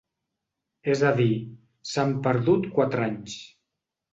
És a dir, s’han perdut quatre anys .